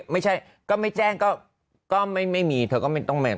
ไม่ใช่ก็ไม่แจ้งก็ไม่มีเธอก็ไม่ต้อง